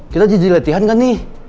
kita jadi latihan kan nih